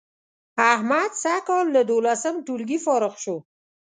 احمد سږ کال له دولسم ټولگي فارغ شو